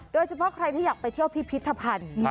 โดยเฉพาะใครที่อยากไปเที่ยวพิพิธภัณฑ์